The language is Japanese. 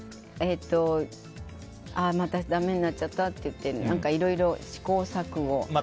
まただめになっちゃったって言って、いろいろ試行錯誤。